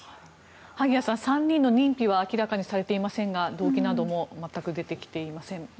萩谷さん、３人の認否は明らかにされていませんが動機なども全く出てきていません。